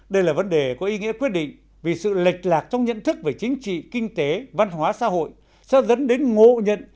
đây là vấn đề có ý nghĩa quyết định vì sự lệch lạc trong nhận thức về chính trị kinh tế văn hóa xã hội sẽ dẫn đến ngộ nhận